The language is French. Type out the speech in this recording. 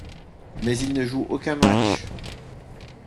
Mais il ne joue aucun match.